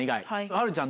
はるちゃん